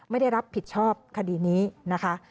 ไม่ได้รับผิดชอบคดีนี้นะคะ